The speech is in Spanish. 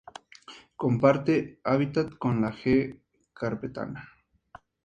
Comparte hábitat con la "G. carpetana".